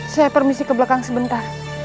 saya permisi ke belakang sebentar